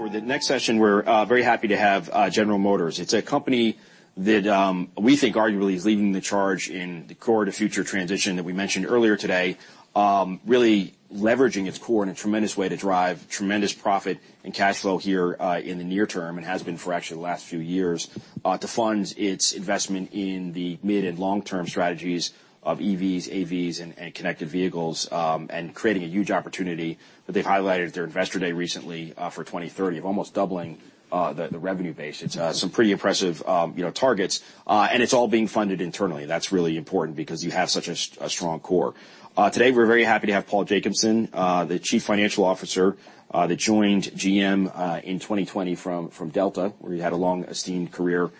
For the next session, we're very happy to have General Motors. It's a company that we think arguably is leading the charge in the core to future transition that we mentioned earlier today. Really leveraging its core in a tremendous way to drive tremendous profit and cash flow here in the near term and has been for actually the last few years to fund its investment in the mid and long-term strategies of EVs, AVs and connected vehicles and creating a huge opportunity that they've highlighted at their Investor Day recently for 2030 of almost doubling the revenue base. It's some pretty impressive, you know, targets and it's all being funded internally. That's really important because you have such a strong core. Today, we're very happy to have Paul Jacobson, the Chief Financial Officer, that joined GM in 2020 from Delta, where you had a long-esteemed career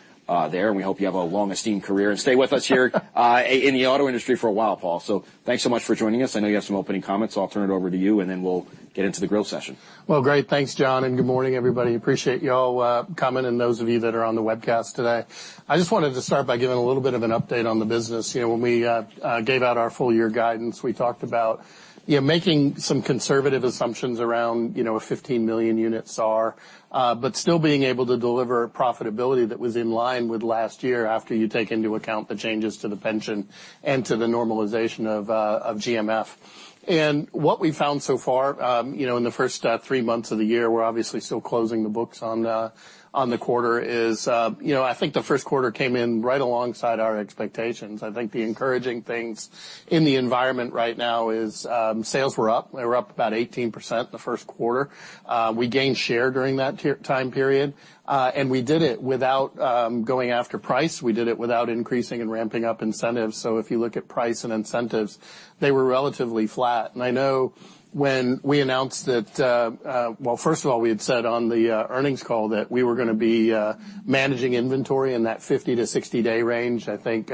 there. We hope you have a long-esteemed career and stay with us here in the auto industry for a while, Paul. Thanks so much for joining us. I know you have some opening comments, I'll turn it over to you, and then we'll get into the grill session. Well, great. Thanks, John, and good morning, everybody. Appreciate y'all coming and those of you that are on the webcast today. I just wanted to start by giving a little bit of an update on the business. You know, when we gave out our full year guidance, we talked about, you know, making some conservative assumptions around, you know, a 15 million unit SAR but still being able to deliver profitability that was in line with last year after you take into account the changes to the pension and to the normalization of GMF. What we found so far, you know, in the first 3 months of the year, we're obviously still closing the books on the quarter is, you know, I think the Q1 came in right alongside our expectations. I think the encouraging things in the environment right now is, sales were up. They were up about 18% the Q1. We gained share during that time period, and we did it without going after price. We did it without increasing and ramping up incentives. If you look at price and incentives, they were relatively flat. I know when we announced that. First of all, we had said on the earnings call that we were gonna be managing inventory in that 50- to 60-day range. I think,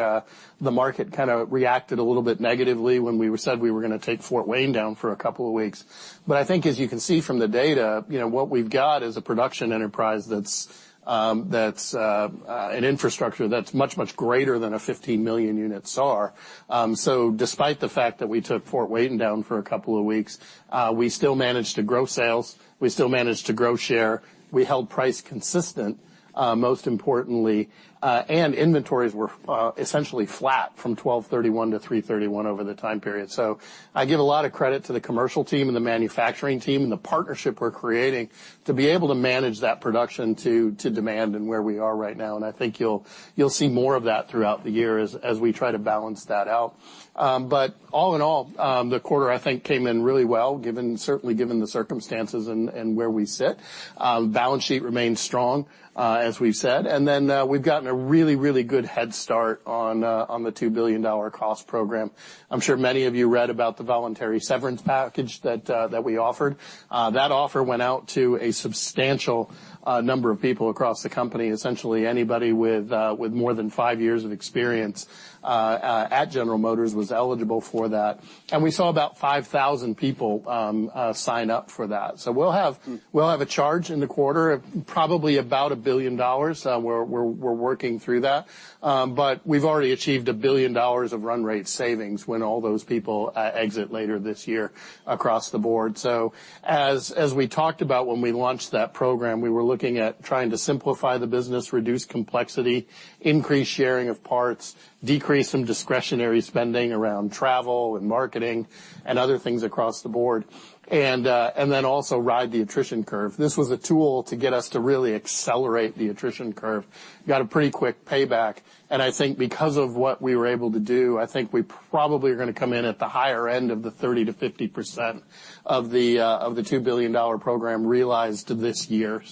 the market kind of reacted a little bit negatively when we said we were gonna take Fort Wayne down for a couple of weeks. I think as you can see from the data, you know, what we've got is a production enterprise that's an infrastructure that's much, much greater than a 15 million unit SAR. Despite the fact that we took Fort Wayne down for a couple of weeks, we still managed to grow sales. We still managed to grow share. We held price consistent, most importantly, and inventories were essentially flat from 12/31 to 3/31 over the time period. I give a lot of credit to the commercial team and the manufacturing team and the partnership we're creating to be able to manage that production to demand and where we are right now. I think you'll see more of that throughout the year as we try to balance that out. All in all, the quarter, I think, came in really well, given, certainly given the circumstances and where we sit. Balance sheet remains strong, as we've said. Then, we've gotten a really, really good head start on the $2 billion cost program. I'm sure many of you read about the voluntary severance package that we offered. That offer went out to a substantial number of people across the company. Essentially anybody with more than 5 years of experience at General Motors was eligible for that. We saw about 5,000 people sign up for that. We'll have a charge in the quarter of probably about $1 billion. We're working through that. We've already achieved $1 billion of run rate savings when all those people exit later this year across the board. As we talked about when we launched that program, we were looking at trying to simplify the business, reduce complexity, increase sharing of parts, decrease some discretionary spending around travel and marketing and other things across the board. Then also ride the attrition curve. This was a tool to get us to really accelerate the attrition curve. Got a pretty quick payback. I think because of what we were able to do, I think we probably are gonna come in at the higher end of the 30%-50% of the $2 billion program realized this year.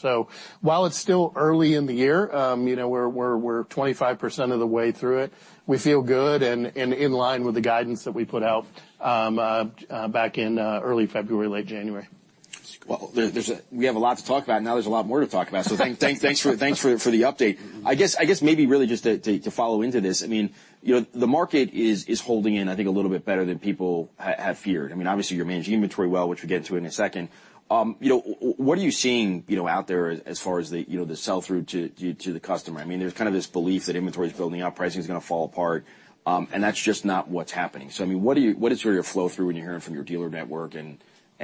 While it's still early in the year, you know, we're 25% of the way through it, we feel good and in line with the guidance that we put out back in early February, late January. Well, we have a lot to talk about. Now there's a lot more to talk about. Thanks for the update. I guess maybe really just to follow into this, I mean, you know, the market is holding in, I think, a little bit better than people have feared. I mean, obviously, you're managing inventory well, which we'll get to in a second. You know, what are you seeing, you know, out there as far as the, you know, the sell-through to the customer? I mean, there's kind of this belief that inventory is building up, pricing is gonna fall apart, and that's just not what's happening. I mean, what is sort of your flow through when you're hearing from your dealer network?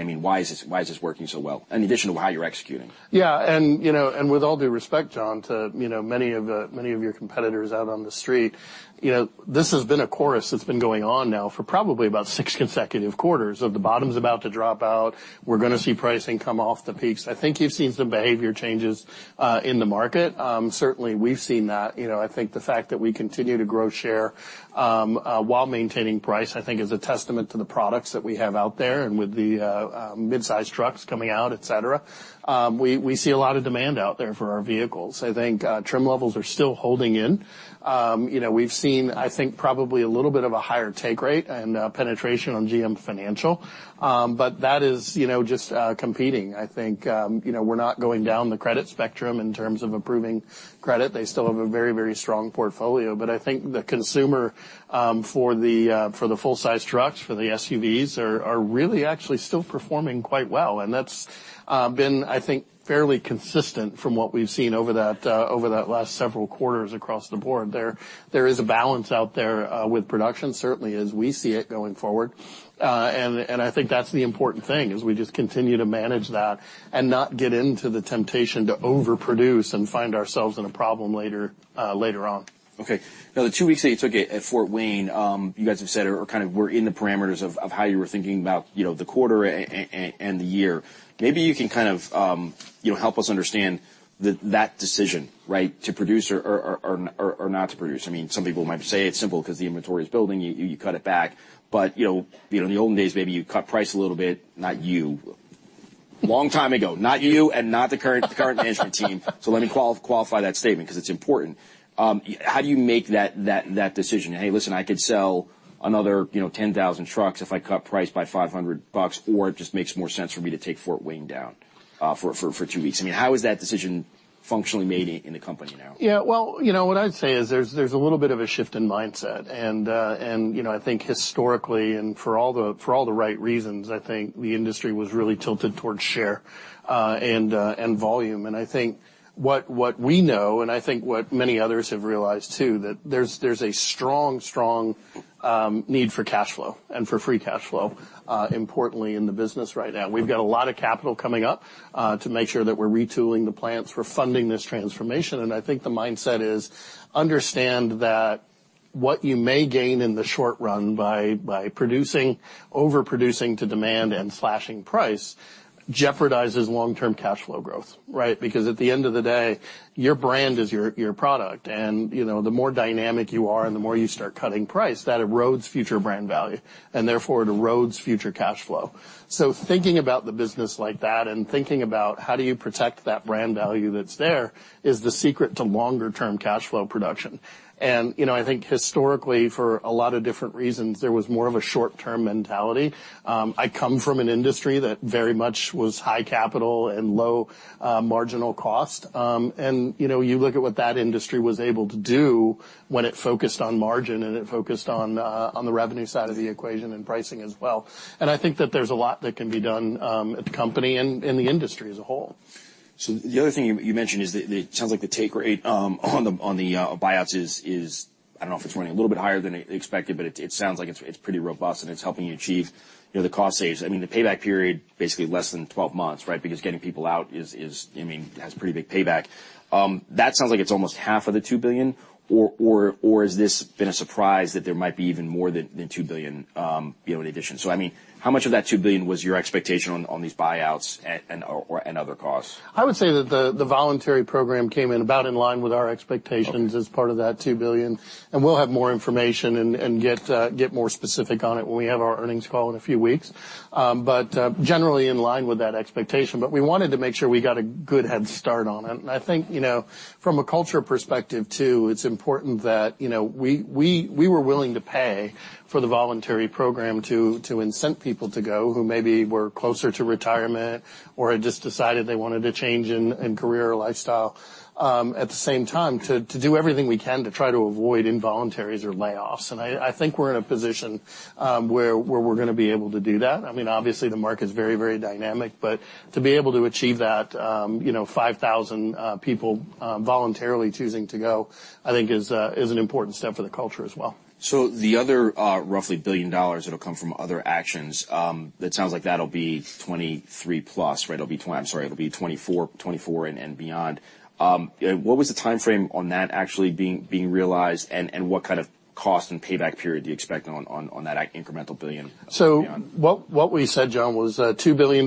I mean, why is this working so well, in addition to how you're executing? Yeah. You know, and with all due respect, John, to, you know, many of your competitors out on the street, you know, this has been a chorus that's been going on now for probably about six consecutive quarters, of the bottom's about to drop out. We're gonna see pricing come off the peaks. I think you've seen some behavior changes in the market. Certainly, we've seen that. You know, I think the fact that we continue to grow share while maintaining price, I think is a testament to the products that we have out there and with the mid-size trucks coming out, et cetera. We see a lot of demand out there for our vehicles. I think trim levels are still holding in. You know, we've seen, I think, probably a little bit of a higher take rate and penetration on GM Financial. That is, you know, just competing. I think, you know, we're not going down the credit spectrum in terms of approving credit. They still have a very strong portfolio. I think the consumer, for the full-size trucks, for the SUVs are really actually still performing quite well. That's been, I think, fairly consistent from what we've seen over that last several quarters across the board. There is a balance out there with production, certainly as we see it going forward. I think that's the important thing, is we just continue to manage that and not get into the temptation to overproduce and find ourselves in a problem later on. Okay. Now, the 2 weeks that you took at Fort Wayne, you guys have said or kind of were in the parameters of how you were thinking about, you know, the quarter and the year. Maybe you can kind of, you know, help us understand that decision, right? To produce or not to produce. I mean, some people might say it's simple 'cause the inventory is building, you cut it back. You know, you know, in the olden days, maybe you cut price a little bit. Not you. Long time ago. Not you and not the current management team. Let me qualify that statement 'cause it's important. How do you make that decision? Hey, listen, I could sell another, you know, 10,000 trucks if I cut price by $500, or it just makes more sense for me to take Fort Wayne down for 2 weeks. I mean, how is that decision functionally made in the company now? Yeah. Well, you know, what I'd say is there's a little bit of a shift in mindset and, you know, I think historically, for all the right reasons, I think the industry was really tilted towards share and volume. I think what we know, and I think what many others have realized too, that there's a strong need for cash flow and for free cash flow, importantly in the business right now. We've got a lot of capital coming up to make sure that we're retooling the plants. We're funding this transformation, and I think the mindset is understand that what you may gain in the short run by producing, overproducing to demand and slashing price jeopardizes long-term cash flow growth, right? At the end of the day, your brand is your product, and, you know, the more dynamic you are and the more you start cutting price, that erodes future brand value, and therefore it erodes future cash flow. Thinking about the business like that and thinking about how do you protect that brand value that's there is the secret to longer term cash flow production. You know, I think historically for a lot of different reasons, there was more of a short-term mentality. I come from an industry that very much was high capital and low marginal cost. You know, you look at what that industry was able to do when it focused on margin and it focused on the revenue side of the equation and pricing as well. I think that there's a lot that can be done, at the company and the industry as a whole. The other thing you mentioned is the take rate on the buyouts is I don't know if it's running a little bit higher than expected, but it sounds like it's pretty robust, and it's helping you achieve, you know, the cost saves. I mean, the payback period, basically less than 12 months, right? Because getting people out is, I mean, has pretty big payback. That sounds like it's almost half of the $2 billion, or has this been a surprise that there might be even more than $2 billion, you know, in addition? I mean, how much of that $2 billion was your expectation on these buyouts and/or and other costs? I would say that the voluntary program came in about in line with our expectations. Okay. As part of that $2 billion, we'll have more information and get more specific on it when we have our earnings call in a few weeks. Generally in line with that expectation. We wanted to make sure we got a good head start on it. I think, you know, from a culture perspective too, it's important that, you know, we were willing to pay for the voluntary program to incent people to go who maybe were closer to retirement or had just decided they wanted a change in career or lifestyle, at the same time to do everything we can to try to avoid involuntaries or layoffs. I think we're in a position where we're gonna be able to do that. I mean, obviously, the market is very, very dynamic, but to be able to achieve that, you know, 5,000 people voluntarily choosing to go, I think is an important step for the culture as well. The other roughly $1 billion that'll come from other actions, that sounds like that'll be 2023 plus, right? It'll be 2024 and beyond. What was the timeframe on that actually being realized, and what kind of cost and payback period do you expect on that incremental $1 billion and beyond? What we said, John, was, $2 billion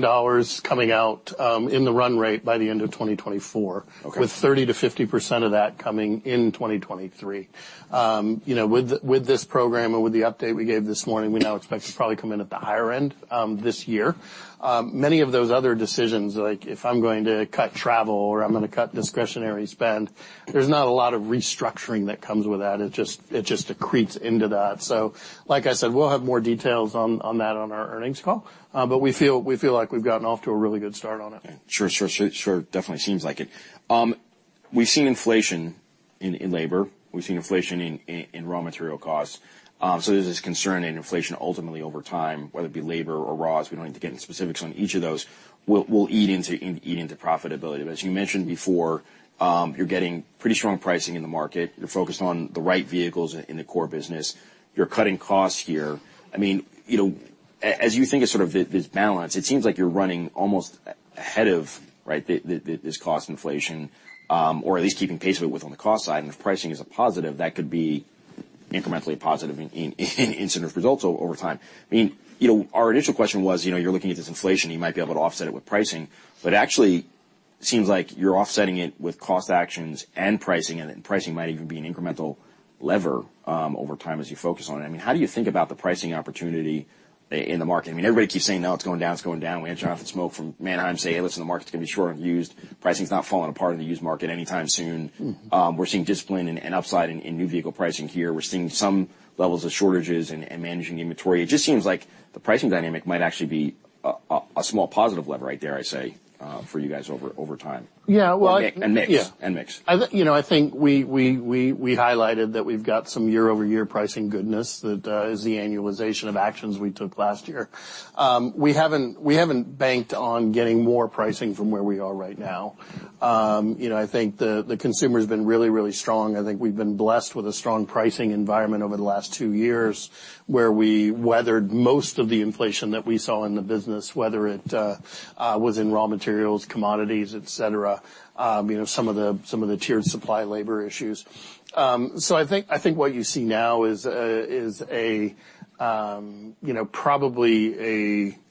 coming out, in the run rate by the end of 2024. Okay. With 30%-50% of that coming in 2023. you know, with this program and with the update we gave this morning, we now expect to probably come in at the higher end, this year. many of those other decisions, like if I'm going to cut travel or I'm gonna cut discretionary spend, there's not a lot of restructuring that comes with that. It just accretes into that. like I said, we'll have more details on that on our earnings call. we feel like we've gotten off to a really good start on it. Sure, sure, sure. Definitely seems like it. We've seen inflation in labor. We've seen inflation in raw material costs. There's this concern in inflation ultimately over time, whether it be labor or raws. We don't need to get into specifics on each of those. Will eat into profitability. As you mentioned before, you're getting pretty strong pricing in the market. You're focused on the right vehicles in the core business. You're cutting costs here. I mean, you know, as you think of sort of this balance, it seems like you're running almost ahead of, right, this cost inflation, or at least keeping pace with it on the cost side. If pricing is a positive, that could be incrementally positive in incident results over time. I mean, you know, our initial question was, you know, you're looking at this inflation, you might be able to offset it with pricing. Actually, seems like you're offsetting it with cost actions and pricing, and then pricing might even be an incremental lever over time as you focus on it. I mean, how do you think about the pricing opportunity in the market? I mean, everybody keeps saying, "No, it's going down, it's going down." We had Jonathan Smoke from Manheim say, "Hey, listen, the market's gonna be short on used. Pricing's not falling apart in the used market anytime soon. We're seeing discipline and upside in new vehicle pricing here. We're seeing some levels of shortages and managing inventory. It just seems like the pricing dynamic might actually be a, a small positive lever, I dare I say, for you guys over time. Yeah, well. Mix. Yeah. Mix. You know, I think we highlighted that we've got some year-over-year pricing goodness that is the annualization of actions we took last year. We haven't banked on getting more pricing from where we are right now. You know, I think the consumer's been really, really strong. I think we've been blessed with a strong pricing environment over the last two years, where we weathered most of the inflation that we saw in the business, whether it was in raw materials, commodities, et cetera, you know, some of the tiered supply labor issues. I think what you see now is a, you know, probably a realization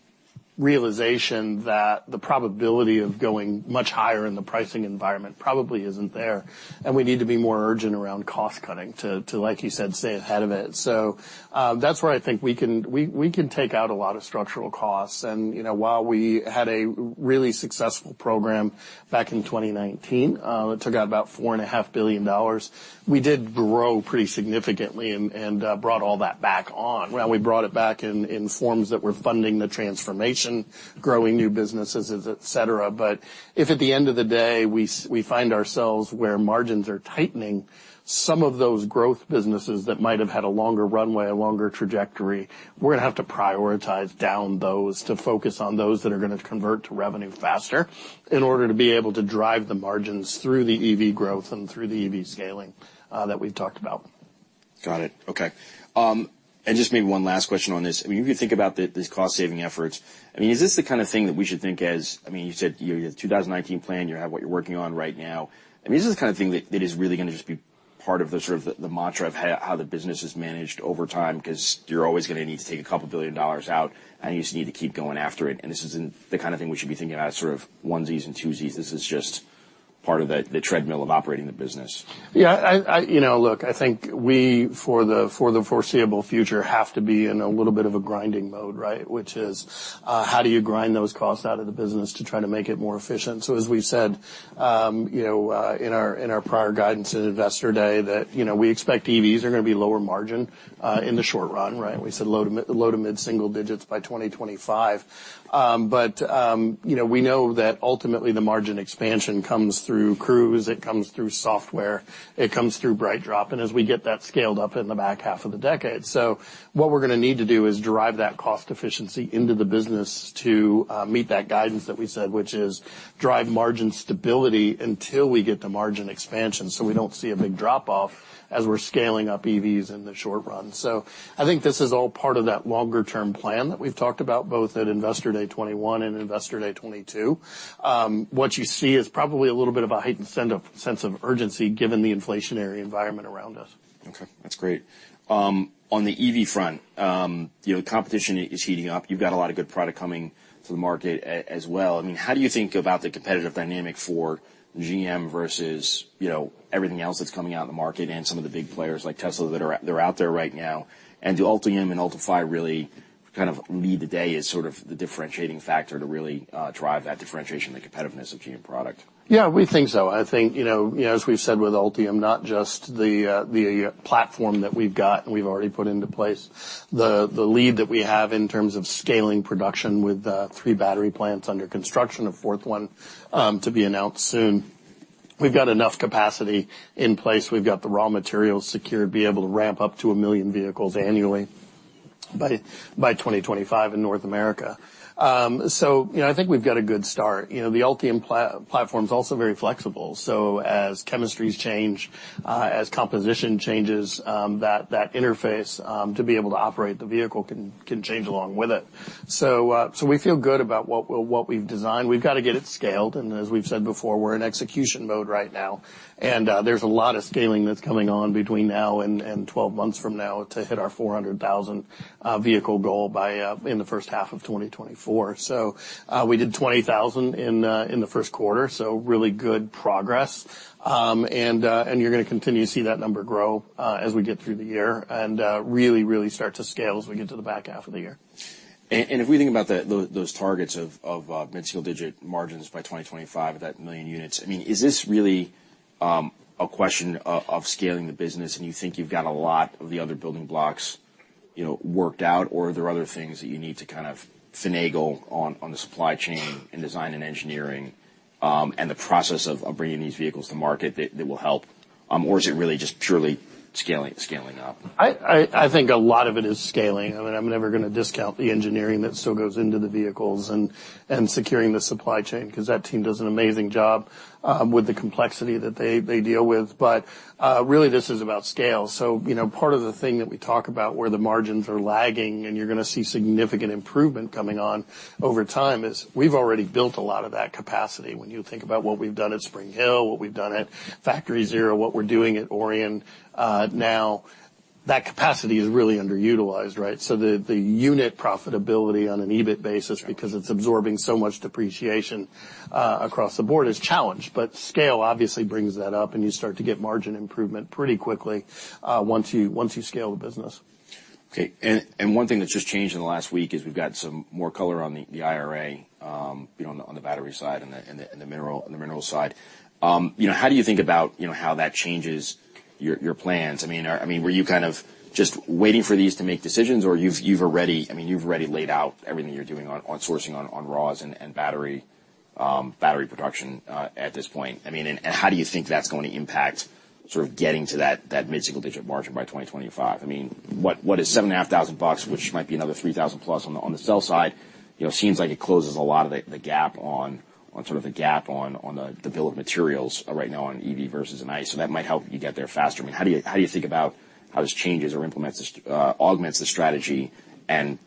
that the probability of going much higher in the pricing environment probably isn't there, and we need to be more urgent around cost-cutting to like you said, stay ahead of it. That's where I think we can take out a lot of structural costs. You know, while we had a really successful program back in 2019 that took out about $4.5 billion, we did grow pretty significantly and brought all that back on. Well, we brought it back in forms that were funding the transformation, growing new businesses, et cetera. If at the end of the day we find ourselves where margins are tightening, some of those growth businesses that might have had a longer runway, a longer trajectory, we're gonna have to prioritize down those to focus on those that are gonna convert to revenue faster in order to be able to drive the margins through the EV growth and through the EV scaling that we've talked about. Got it. Okay. Just maybe one last question on this. I mean, if you think about these cost-saving efforts, I mean, is this the kind of thing that we should think. I mean, you said you have 2019 plan, you have what you're working on right now. I mean, is this the kind of thing that is really gonna just be part of the sort of the mantra of how the business is managed over time? You're always gonna need to take a couple billion dollars out, and you just need to keep going after it, and this isn't the kind of thing we should be thinking about sort of onesies and twosies. This is just part of the treadmill of operating the business. Yeah. I, you know, look, I think we, for the, for the foreseeable future, have to be in a little bit of a grinding mode, right? Which is, how do you grind those costs out of the business to try to make it more efficient? As we've said, you know, in our, in our prior guidance at Investor Day that, you know, we expect EVs are gonna be lower margin, in the short run, right? We said low to mid-single digits by 2025. You know, we know that ultimately the margin expansion comes through Cruise, it comes through software, it comes through BrightDrop, and as we get that scaled up in the back half of the decade. What we're gonna need to do is drive that cost efficiency into the business to meet that guidance that we said, which is drive margin stability until we get to margin expansion, so we don't see a big drop-off as we're scaling up EVs in the short run. I think this is all part of that longer-term plan that we've talked about both at Investor Day 2021 and Investor Day 2022. What you see is probably a little bit of a heightened sense of urgency given the inflationary environment around us. Okay, that's great. on the EV front, you know, competition is heating up. You've got a lot of good product coming to the market as well. I mean, how do you think about the competitive dynamic for GM versus, you know, everything else that's coming out in the market and some of the big players like Tesla that are out there right now? Do Ultium and Ultifi really kind of lead the day as sort of the differentiating factor to really drive that differentiation, the competitiveness of GM product? Yeah, we think so. I think, you know, you know, as we've said with Ultium, not just the platform that we've got and we've already put into place, the lead that we have in terms of scaling production with 3 battery plants under construction, a fourth one to be announced soon. We've got enough capacity in place. We've got the raw materials secured to be able to ramp up to 1 million vehicles annually by 2025 in North America. You know, I think we've got a good start. You know, the Ultium platform's also very flexible, so as chemistries change, as composition changes, that interface to be able to operate the vehicle can change along with it. So we feel good about what we've designed. We've gotta get it scaled, and as we've said before, we're in execution mode right now, and there's a lot of scaling that's coming on between now and 12 months from now to hit our 400,000 vehicle goal by in the first half of 2024. We did 20,000 in the Q1, so really good progress. You're gonna continue to see that number grow as we get through the year and really, really start to scale as we get to the back half of the year. If we think about the, those targets of, mid-single digit margins by 2025 at that million units, I mean, is this really a question of scaling the business, and you think you've got a lot of the other building blocks, you know, worked out? Or are there other things that you need to kind of finagle on the supply chain in design and engineering, and the process of bringing these vehicles to market that will help? Or is it really just purely scaling up? I think a lot of it is scaling. I mean, I'm never gonna discount the engineering that still goes into the vehicles and securing the supply chain, 'cause that team does an amazing job with the complexity that they deal with. Really this is about scale. You know, part of the thing that we talk about where the margins are lagging and you're gonna see significant improvement coming on over time is we've already built a lot of that capacity. When you think about what we've done at Spring Hill, what we've done at Factory Zero, what we're doing at Orion now, that capacity is really underutilized, right? The unit profitability on an EBIT basis, because it's absorbing so much depreciation across the board, is challenged. Scale obviously brings that up, and you start to get margin improvement pretty quickly, once you scale the business. Okay. One thing that's just changed in the last week is we've got some more color on the IRA, you know, on the battery side and the minerals side. You know, how do you think about, you know, how that changes your plans? I mean, were you kind of just waiting for these to make decisions, or you've already, I mean, you've already laid out everything you're doing on sourcing on raws and battery production at this point? I mean, and how do you think that's going to impact sort of getting to that mid-single-digit margin by 2025? I mean, what is seven and a half thousand bucks, which might be another $3,000+ on the sell side, you know, seems like it closes a lot of the gap on sort of the gap on the bill of materials right now on EV versus an ICE, that might help you get there faster. I mean, how do you think about how this changes or implements this, augments the strategy and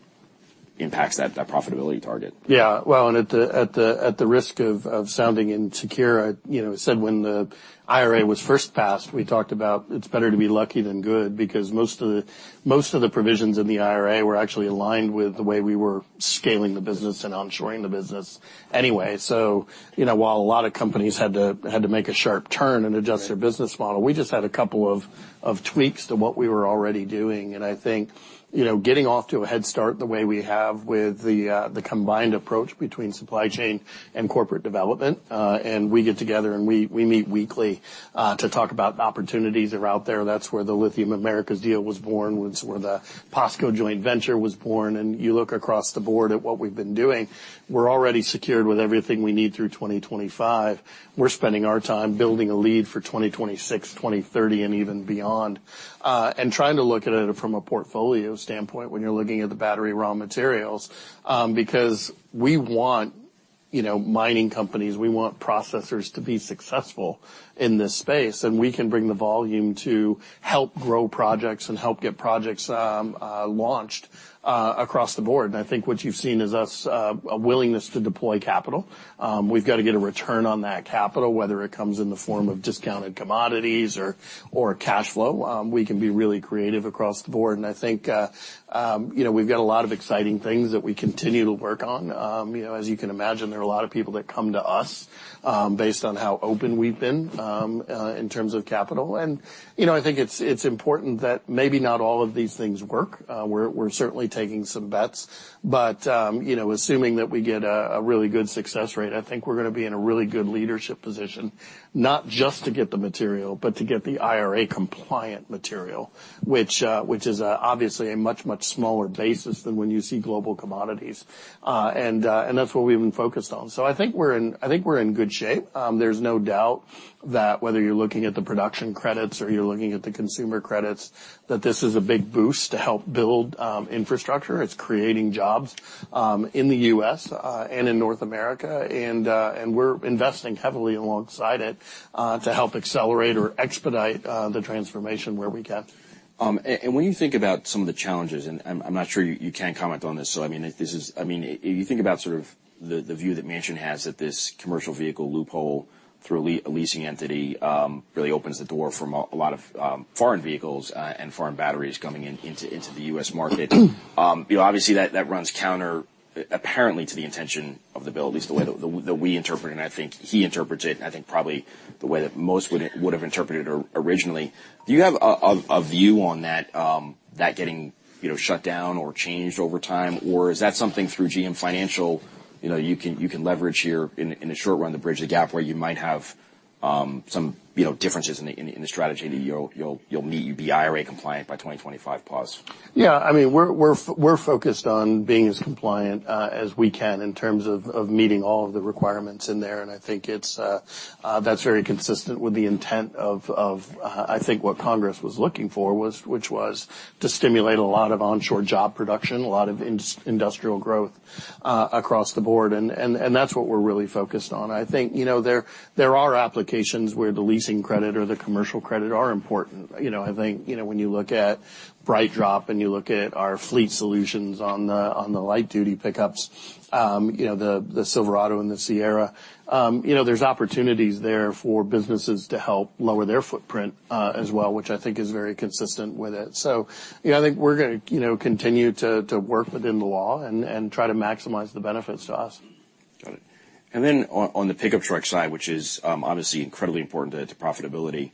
impacts that profitability target? Well, at the risk of sounding insecure, I, you know, said when the IRA was first passed, we talked about it's better to be lucky than good because most of the provisions in the IRA were actually aligned with the way we were scaling the business and onshoring the business anyway. You know, while a lot of companies had to make a sharp turn and adjust their business model, we just had a couple of tweaks to what we were already doing. I think, you know, getting off to a head start the way we have with the combined approach between supply chain and corporate development, and we get together and we meet weekly to talk about opportunities that are out there. That's where the Lithium Americas deal was born. That's where the POSCO joint venture was born. You look across the board at what we've been doing, we're already secured with everything we need through 2025. We're spending our time building a lead for 2026, 2030 and even beyond, and trying to look at it from a portfolio standpoint when you're looking at the battery raw materials, because we want, you know, mining companies, we want processors to be successful in this space, and we can bring the volume to help grow projects and help get projects launched across the board. I think what you've seen is us, a willingness to deploy capital. We've got to get a return on that capital, whether it comes in the form of discounted commodities or cash flow. We can be really creative across the board, and I think, you know, we've got a lot of exciting things that we continue to work on. You know, as you can imagine, there are a lot of people that come to us, based on how open we've been, in terms of capital. You know, I think it's important that maybe not all of these things work. We're certainly taking some bets. You know, assuming that we get a really good success rate, I think we're gonna be in a really good leadership position, not just to get the material, but to get the IRA-compliant material, which is obviously a much, much smaller basis than when you see global commodities. That's what we've been focused on. I think we're in good shape. There's no doubt that whether you're looking at the production credits or you're looking at the consumer credits, that this is a big boost to help build infrastructure. It's creating jobs in the U.S. and in North America, and we're investing heavily alongside it to help accelerate or expedite the transformation where we can. And when you think about some of the challenges, and I'm not sure you can comment on this, so I mean, if this is... I mean, if you think about sort of the view that Manchin has that this commercial vehicle loophole through a leasing entity really opens the door for a lot of foreign vehicles and foreign batteries coming into the U.S. market. You know, obviously, that runs counter apparently to the intention of the bill, at least the way that we interpret it, and I think he interprets it, and I think probably the way that most would've interpreted originally. Do you have a view on that getting, you know, shut down or changed over time? Is that something through GM Financial, you know, you can leverage here in the short run to bridge the gap where you might have, some, you know, differences in the strategy that you'll meet, you'll be IRA compliant by 2025 plus? Yeah. I mean, we're focused on being as compliant as we can in terms of meeting all of the requirements in there, and I think that's very consistent with the intent of, I think what Congress was looking for was to stimulate a lot of onshore job production, a lot of industrial growth across the board. That's what we're really focused on. I think, you know, there are applications where the leasing credit or the commercial credit are important. You know, I think, you know, when you look at BrightDrop and you look at our fleet solutions on the, on the light-duty pickups, you know, the Silverado and the Sierra, you know, there's opportunities there for businesses to help lower their footprint as well, which I think is very consistent with it. You know, I think we're gonna, you know, continue to work within the law and try to maximize the benefits to us. Got it. On the pickup truck side, which is obviously incredibly important to profitability,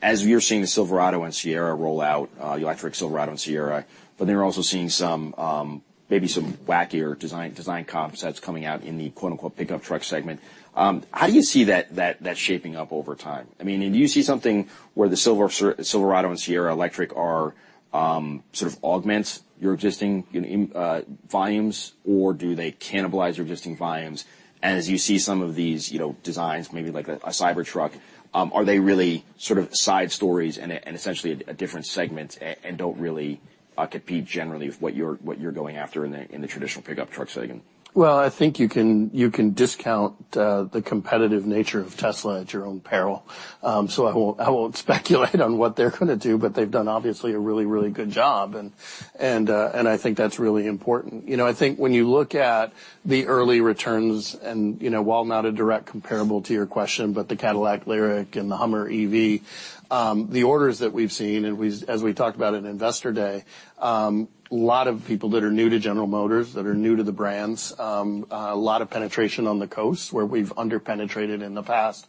as we are seeing the Silverado and Sierra roll out, the electric Silverado and Sierra, we're also seeing some, maybe some wackier design concepts coming out in the quote-unquote pickup truck segment, how do you see that shaping up over time? I mean, do you see something where the Silverado and Sierra electric are sort of augment your existing, you know, volumes? Or do they cannibalize your existing volumes? As you see some of these, you know, designs, maybe like a Cybertruck, are they really sort of side stories and essentially a different segment and don't really compete generally with what you're going after in the traditional pickup truck segment? Well, I think you can discount the competitive nature of Tesla at your own peril. I won't speculate on what they're gonna do, but they've done obviously a really good job and I think that's really important. You know, I think when you look at the early returns and, you know, while not a direct comparable to your question, but the Cadillac LYRIQ and the HUMMER EV, the orders that we've seen, and as we talked about at Investor Day, a lot of people that are new to General Motors, that are new to the brands, a lot of penetration on the coast where we've under-penetrated in the past.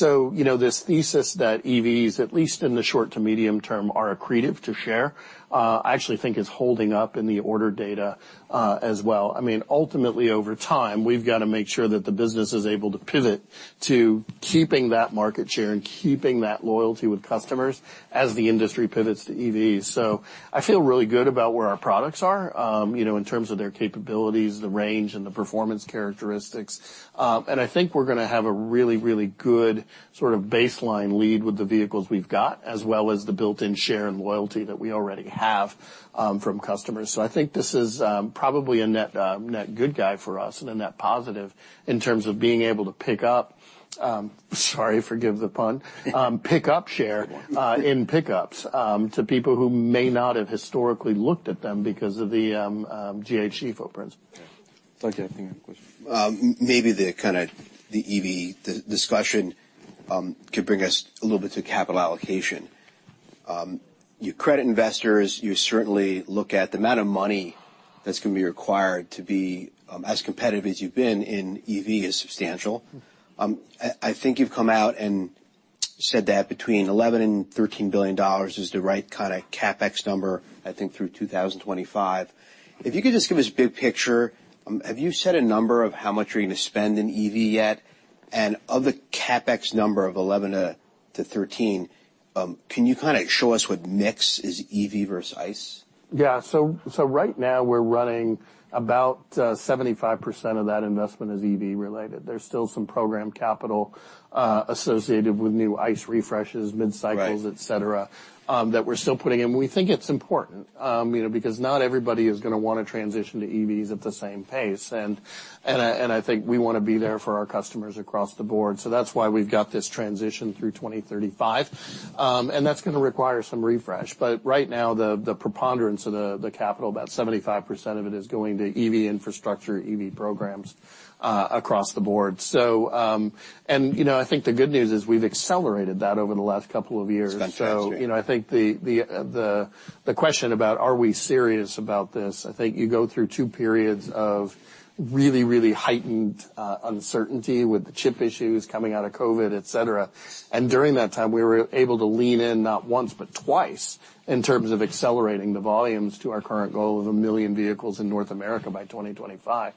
You know, this thesis that EVs, at least in the short to medium term, are accretive to share, I actually think is holding up in the order data as well. I mean, ultimately, over time, we've gotta make sure that the business is able to pivot to keeping that market share and keeping that loyalty with customers as the industry pivots to EVs. I feel really good about where our products are, you know, in terms of their capabilities, the range and the performance characteristics. And I think we're gonna have a really, really good sort of baseline lead with the vehicles we've got, as well as the built-in share and loyalty that we already have from customers. I think this is probably a net good guy for us and a net positive in terms of being able to pick up, sorry, forgive the pun, pick up share. Good one.... in pickups, to people who may not have historically looked at them because of the GHG footprints. Thank you. I think I have a question. maybe the kind of the EV discussion could bring us a little bit to capital allocation. You credit investors, you certainly look at the amount of money that's gonna be required to be as competitive as you've been in EV is substantial. I think you've come out and said that between $11 billion and $13 billion is the right kind of CapEx number, I think, through 2025. If you could just give us a big picture, have you set a number of how much you're gonna spend in EV yet? Of the CapEx number of 11-13, can you kinda show us what mix is EV versus ICE? Yeah. right now we're running about 75% of that investment is EV related. There's still some program capital associated with new ICE refreshes, mid-cycles. Right. -et cetera, that we're still putting in. We think it's important, you know, because not everybody is gonna wanna transition to EVs at the same pace. I think we wanna be there for our customers across the board. That's why we've got this transition through 2035. That's gonna require some refresh. Right now, the preponderance of the capital, about 75% of it, is going to EV infrastructure, EV programs, across the board. You know, I think the good news is we've accelerated that over the last couple of years. It's been transferred. you know, I think the question about are we serious about this, I think you go through two periods of really heightened uncertainty with the chip issues coming out of COVID, et cetera. During that time, we were able to lean in not once, but twice in terms of accelerating the volumes to our current goal of 1 million vehicles in North America by 2025.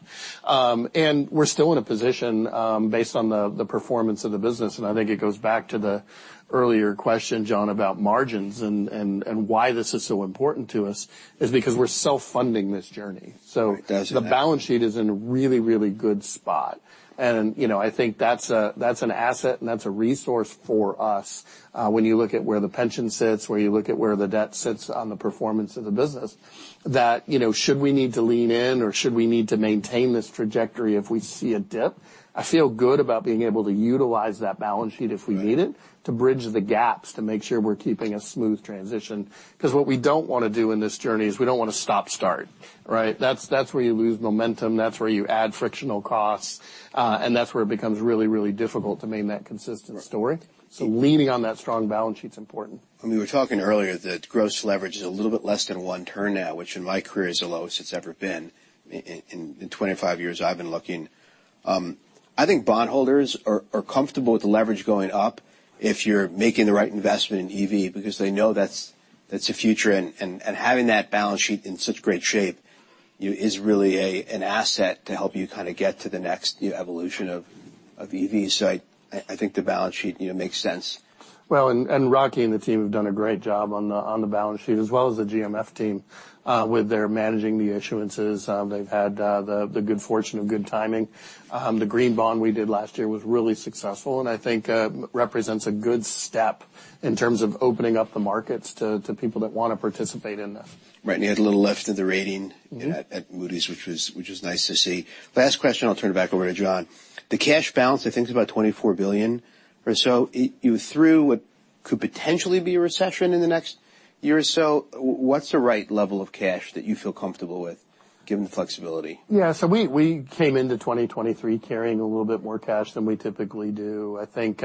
we're still in a position, based on the performance of the business, and I think it goes back to the earlier question, John, about margins and why this is so important to us is because we're self-funding this journey. Right. Gotcha. The balance sheet is in a really, really good spot. You know, I think that's a, that's an asset, and that's a resource for us, when you look at where the pension sits, where you look at where the debt sits on the performance of the business, that, you know, should we need to lean in, or should we need to maintain this trajectory if we see a dip, I feel good about being able to utilize that balance sheet if we need it. Right. To bridge the gaps to make sure we're keeping a smooth transition. 'Cause what we don't wanna do in this journey is we don't wanna stop-start, right? That's where you lose momentum. That's where you add frictional costs. That's where it becomes really difficult to maintain that consistent story. Leaning on that strong balance sheet's important. When we were talking earlier that gross leverage is a little bit less than one turn now, which in my career is the lowest it's ever been in 25 years I've been looking. I think bondholders are comfortable with the leverage going up if you're making the right investment in EV because they know that's the future. Having that balance sheet in such great shape, you know, is really an asset to help you kind of get to the next, you know, evolution of EV. I think the balance sheet, you know, makes sense. Rocky and the team have done a great job on the balance sheet as well as the GMF team with their managing the issuances. They've had the good fortune of good timing. The Green Bond we did last year was really successful, and I think represents a good step in terms of opening up the markets to people that wanna participate in this. Right. You had a little lift of the rating- at Moody's, which was nice to see. Last question, I'll turn it back over to John. The cash balance, I think, is about $24 billion or so. You through what could potentially be a recession in the next year or so, what's the right level of cash that you feel comfortable with given the flexibility? Yeah. We came into 2023 carrying a little bit more cash than we typically do. I think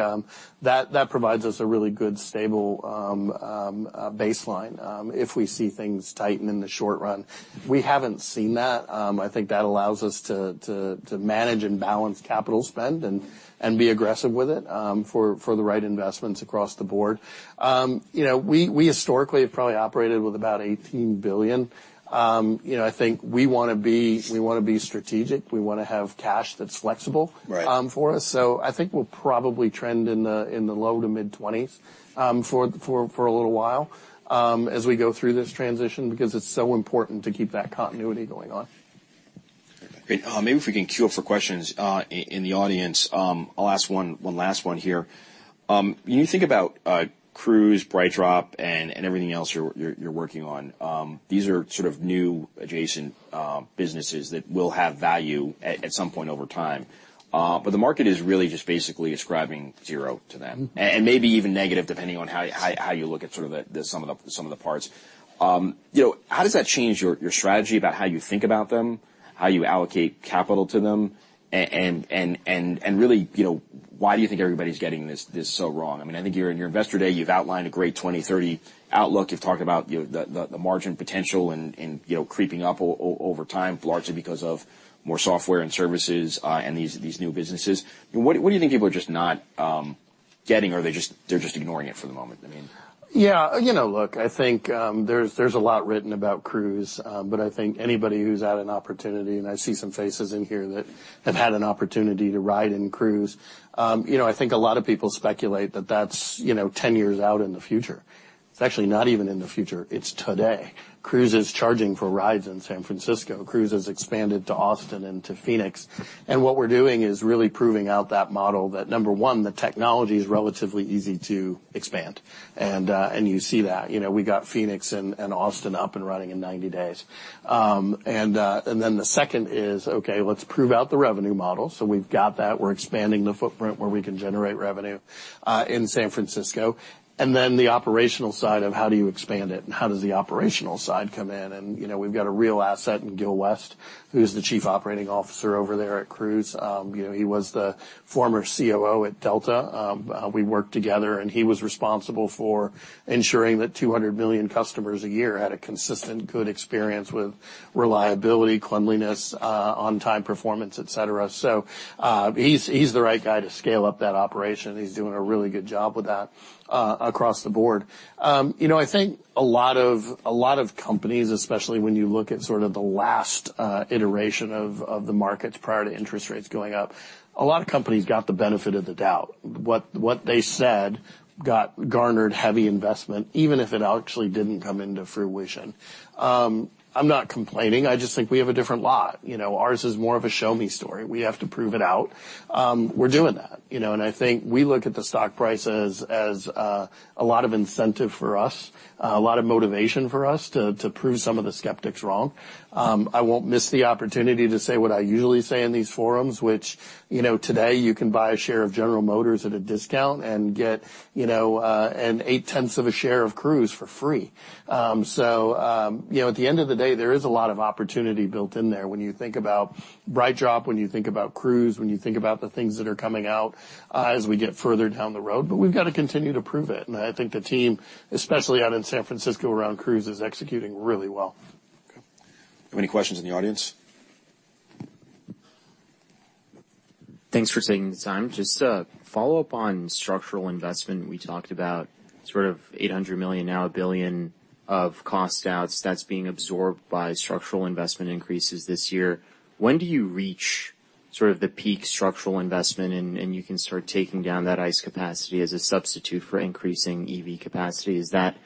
that provides us a really good, stable baseline if we see things tighten in the short run. We haven't seen that. I think that allows us to manage and balance capital spend and be aggressive with it for the right investments across the board. You know, we historically have probably operated with about $18 billion. You know, I think we wanna be strategic. We wanna have cash that's flexible- Right. for us. I think we'll probably trend in the low to mid-20s, for a little while, as we go through this transition because it's so important to keep that continuity going on. Great. Maybe if we can queue up for questions in the audience. I'll ask one last one here. When you think about Cruise, BrightDrop, and everything else you're working on, these are sort of new adjacent businesses that will have value at some point over time. The market is really just basically ascribing zero to them, and maybe even negative, depending on how you look at sort of the sum of the parts. You know, how does that change your strategy about how you think about them, how you allocate capital to them, and really, you know, why do you think everybody's getting this so wrong? I mean, I think you're in your Investor Day, you've outlined a great 2030 outlook. You've talked about, you know, the margin potential and, you know, creeping up over time, largely because of more software and services, and these new businesses. What do you think people are just not getting, or they're just ignoring it for the moment?I mean. Yeah, you know, look, I think, there's a lot written about Cruise, but I think anybody who's had an opportunity, and I see some faces in here that have had an opportunity to ride in Cruise, you know, I think a lot of people speculate that that's, you know, 10 years out in the future. It's actually not even in the future. It's today. Cruise is charging for rides in San Francisco. Cruise has expanded to Austin and to Phoenix. What we're doing is really proving out that model that, number one, the technology is relatively easy to expand. You see that. You know, we got Phoenix and Austin up and running in 90 days. Then the second is, okay, let's prove out the revenue model. We've got that. We are expanding the footprint where we can generate revenue in San Francisco. Then the operational side of how do you expand it, and how does the operational side come in? You know, we've got a real asset in Gil West, who's the Chief Operating Officer over there at Cruise. He was the former COO at Delta. We worked together, and he was responsible for ensuring that 200 million customers a year had a consistent good experience with reliability, cleanliness, on-time performance, et cetera. So he's the right guy to scale up that operation. He's doing a really good job with that across the board. You know, I think a lot of companies, especially when you look at sort of the last iteration of the markets prior to interest rates going up, a lot of companies got the benefit of the doubt. What they said garnered heavy investment, even if it actually didn't come into fruition. I'm not complaining. I just think we have a different lot. You know, ours is more of a show me story. We have to prove it out. We're doing that, you know, and I think we look at the stock price as a lot of incentive for us, a lot of motivation for us to prove some of the skeptics wrong. I won't miss the opportunity to say what I usually say in these forums, which, you know, today you can buy a share of General Motors at a discount and get, you know, a 0.8 of a share of Cruise for free. You know, at the end of the day, there is a lot of opportunity built in there when you think about BrightDrop, when you think about Cruise, when you think about the things that are coming out as we get further down the road. We've got to continue to prove it. I think the team, especially out in San Francisco around Cruise, is executing really well. Okay. Have any questions in the audience? Thanks for taking the time. Just to follow up on structural investment, we talked about sort of $800 million now $1 billion of cost outs that's being absorbed by structural investment increases this year. When do you reach sort of the peak structural investment and you can start taking down that ICE capacity as a substitute for increasing EV capacity? Is that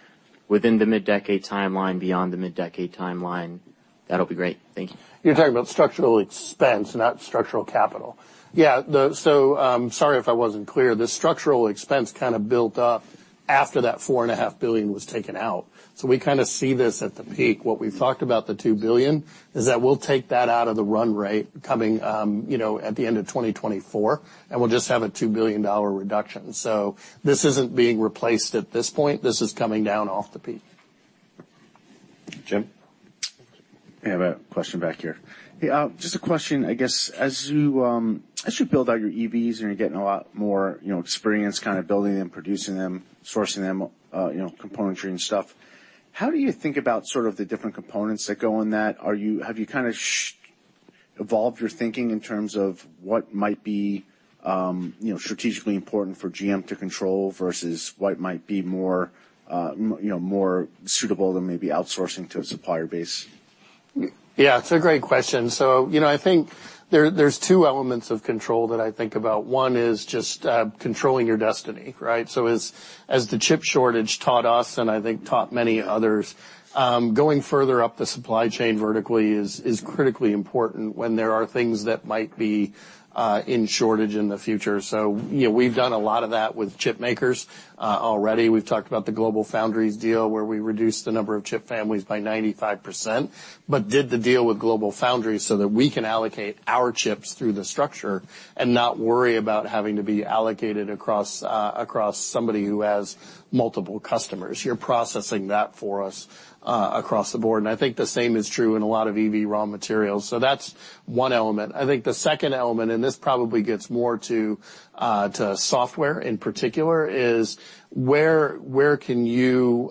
within the mid-decade timeline, beyond the mid-decade timeline? That'll be great. Thank you. You're talking about structural expense, not structural capital. Yeah, the, sorry if I wasn't clear. The structural expense kind of built up after that four and a half billion was taken out. We kinda see this at the peak. What we've talked about the $2 billion is that we'll take that out of the run rate coming, you know, at the end of 2024, and we'll just have a $2 billion reduction. This isn't being replaced at this point. This is coming down off the peak. Jim? I have a question back here. Hey, just a question. I guess as you, as you build out your EVs and you're getting a lot more, you know, experience kinda building them, producing them, sourcing them, you know, componentry and stuff, how do you think about sort of the different components that go in that? Have you kinda evolved your thinking in terms of what might be, you know, strategically important for GM to control versus what might be more, you know, more suitable than maybe outsourcing to a supplier base? Yeah, it's a great question. You know, I think there's 2 elements of control that I think about. One is just controlling your destiny, right? As the chip shortage taught us, and I think taught many others, going further up the supply chain vertically is critically important when there are things that might be in shortage in the future. You know, we've done a lot of that with chip makers already. We've talked about the GlobalFoundries deal, where we reduced the number of chip families by 95%, but did the deal with GlobalFoundries so that we can allocate our chips through the structure and not worry about having to be allocated across somebody who has multiple customers. You're processing that for us across the board. I think the same is true in a lot of EV raw materials. That's one element. I think the second element, and this probably gets more to software in particular, is where can you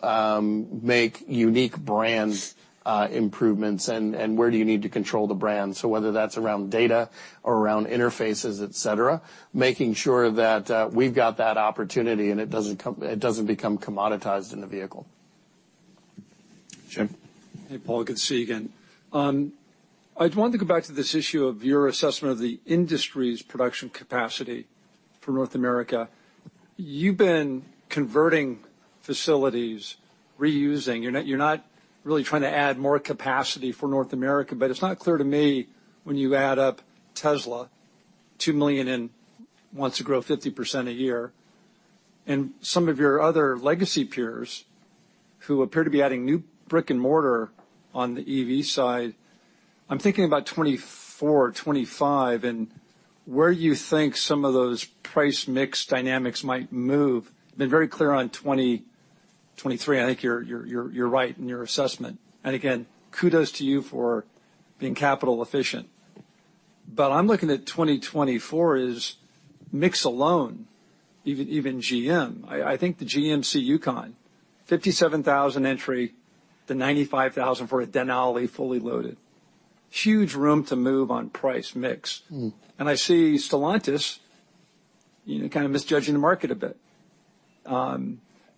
make unique brand improvements and where do you need to control the brand? Whether that's around data or around interfaces, et cetera, making sure that we've got that opportunity and it doesn't become commoditized in the vehicle. Jim. Hey, Paul, good to see you again. I wanted to go back to this issue of your assessment of the industry's production capacity for North America. You've been converting facilities, reusing. You're not really trying to add more capacity for North America. It's not clear to me when you add up Tesla, 2 million and wants to grow 50% a year, and some of your other legacy peers who appear to be adding new brick and mortar on the EV side. I'm thinking about 2024, 2025, and where you think some of those price mix dynamics might move. Been very clear on 2023. I think you're right in your assessment. Again, kudos to you for being capital efficient. I'm looking at 2024 is mix alone, even GM. I think the GMC Yukon, $57,000 entry to $95,000 for a Denali fully loaded. Huge room to move on price mix. I see Stellantis, you know, kind of misjudging the market a bit.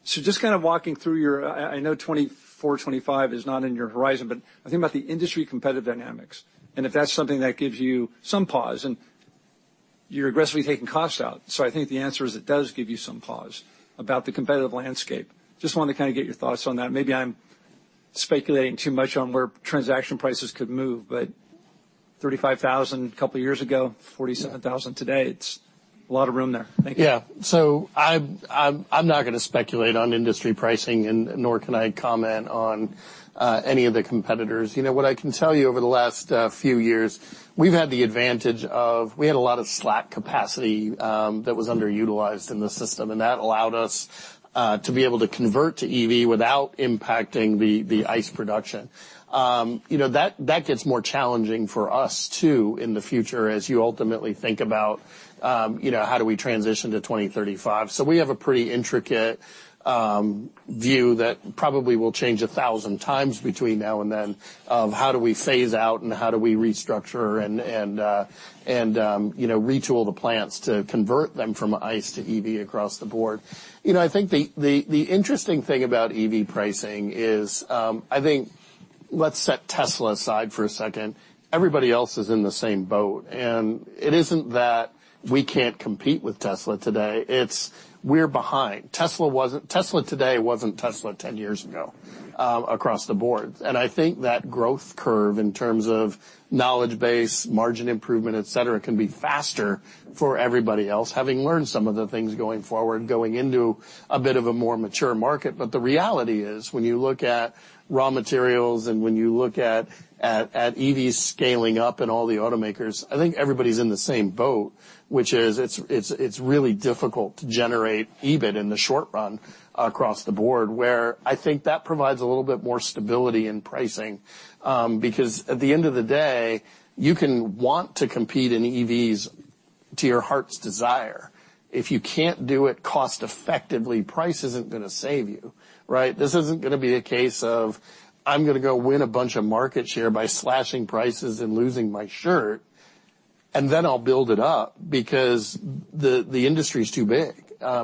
just kind of walking through your... I know 2024, 2025 is not in your horizon, but I think about the industry competitive dynamics and if that's something that gives you some pause and you're aggressively taking costs out. I think the answer is it does give you some pause about the competitive landscape. Just wanted to kind of get your thoughts on that. Maybe I'm speculating too much on where transaction prices could move, but $35,000 a couple years ago, $47,000 today, it's a lot of room there. Thank you. Yeah. I'm not gonna speculate on industry pricing and nor can I comment on any of the competitors. You know, what I can tell you over the last few years, we've had the advantage of a lot of slack capacity that was underutilized in the system, and that allowed us to be able to convert to EV without impacting the ICE production. You know, that gets more challenging for us too in the future as you ultimately think about, you know, how do we transition to 2035. We have a pretty intricate view that probably will change 1,000 times between now and then of how do we phase out and how do we restructure and, you know, retool the plants to convert them from ICE to EV across the board. You know, I think the interesting thing about EV pricing is, I think let's set Tesla aside for a second. Everybody else is in the same boat. It isn't that we can't compete with Tesla today, it's we're behind. Tesla today wasn't Tesla 10 years ago across the board. I think that growth curve in terms of knowledge base, margin improvement, et cetera, can be faster for everybody else, having learned some of the things going forward, going into a bit of a more mature market. The reality is when you look at raw materials and when you look at EVs scaling up and all the automakers, I think everybody's in the same boat, which is it's really difficult to generate EBIT in the short run across the board, where I think that provides a little bit more stability in pricing, because at the end of the day, you can want to compete in EVs to your heart's desire. If you can't do it cost effectively, price isn't gonna save you, right? This isn't gonna be a case of, I'm gonna go win a bunch of market share by slashing prices and losing my shirt, and then I'll build it up, because the industry's too big.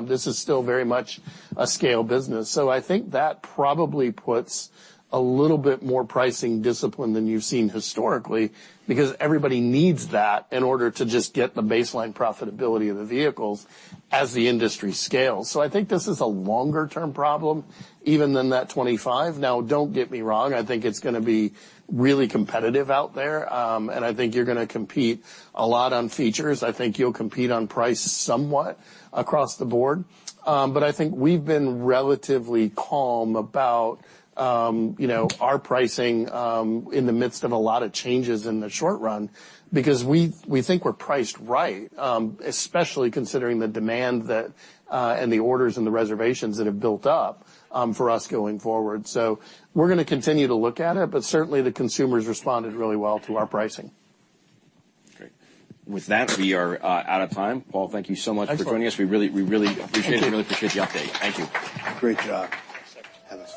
This is still very much a scale business. I think that probably puts a little bit more pricing discipline than you've seen historically because everybody needs that in order to just get the baseline profitability of the vehicles as the industry scales. I think this is a longer term problem even than that 2025. Now, don't get me wrong, I think it's gonna be really competitive out there, and I think you're gonna compete a lot on features. I think you'll compete on price somewhat across the board. I think we've been relatively calm about, you know, our pricing, in the midst of a lot of changes in the short run because we think we're priced right, especially considering the demand that, and the orders and the reservations that have built up, for us going forward. we're gonna continue to look at it, but certainly the consumers responded really well to our pricing. Great. With that, we are out of time. Paul, thank you so much for joining us. Excellent. We really appreciate it. Thank you. Really appreciate the update. Thank you. Great job. Have a seat